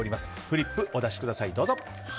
フリップお出しください。